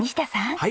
はい。